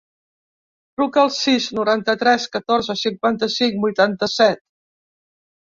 Truca al sis, noranta-tres, catorze, cinquanta-cinc, vuitanta-set.